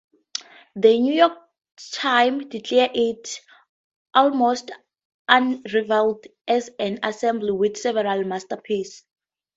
"The New York Times" declared it "almost unrivaled as an ensemble, with several masterpieces.